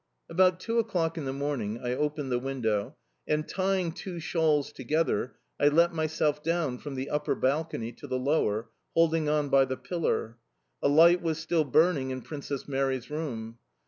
About two o'clock in the morning I opened the window and, tying two shawls together, I let myself down from the upper balcony to the lower, holding on by the pillar. A light was still burning in Princess Mary's room.